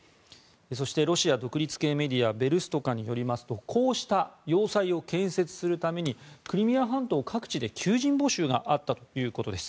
そして、ロシア独立系メディアベルストカによりますとこうした要塞を建設するためにクリミア半島各地で求人募集があったということです。